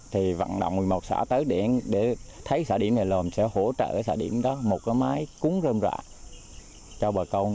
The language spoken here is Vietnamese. thì vận động một mươi một xã tới để thấy xã điểm này sẽ hỗ trợ xã điểm đó một máy cúng rơm rạ cho bà công